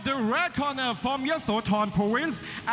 วันนี้ดังนั้นก็จะเป็นรายการมวยไทยสามยกที่มีความสนุกความมันความเดือดนะครับ